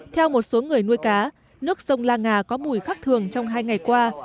theo một số người nuôi cá nước sông la ngà có mùi khắc thường trong hai ngày qua